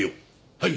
はい。